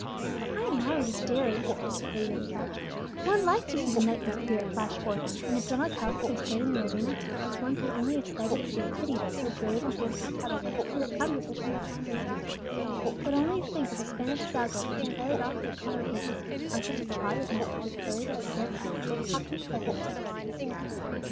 "I admired his daring," lisped her pretty young charge. "One likes to see the knightly spirit flash forth; and if Don Alcala had been slain in the arena, one could only have said that it was a pity that so brave and handsome a caballero should come to such an untimely end. But only think of a Spanish hidalgo being carried off to a common prison on such a charge as might be preferred against some book hawking pedlar!"